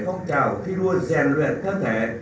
phong trào khi đua giàn luyện các thể